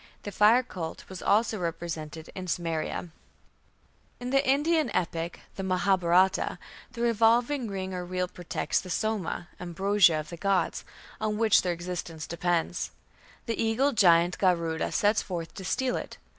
The fire cult was also represented in Sumeria (pp. 49 51). In the Indian epic, the Mahabharata, the revolving ring or wheel protects the Soma (ambrosia) of the gods, on which their existence depends. The eagle giant Garuda sets forth to steal it.